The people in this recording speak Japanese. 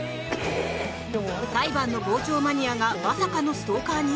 裁判の傍聴マニアがまさかのストーカーに？